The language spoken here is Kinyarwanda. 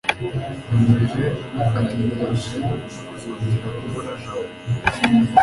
ngamije ategereje kuzongera kubona jabo